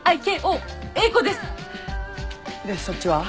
でそっちは？